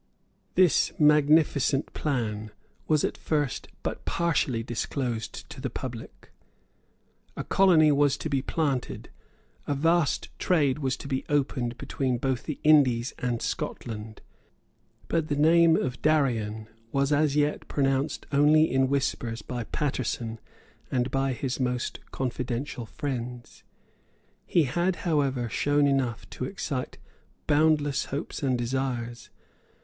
This magnificent plan was at first but partially disclosed to the public. A colony was to be planted; a vast trade was to be opened between both the Indies and Scotland; but the name of Darien was as yet pronounced only in whispers by Paterson and by his most confidential friends. He had however shown enough to excite boundless hopes and desires.